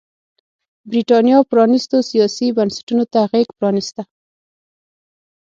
برېټانیا پرانيستو سیاسي بنسټونو ته غېږ پرانېسته.